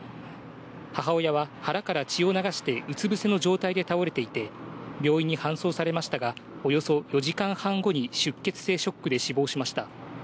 母親は腹から血を流してうつぶせの状態で倒れていて病院に搬送されましたが、およそ４時間半後に出血性ショックで死亡しました。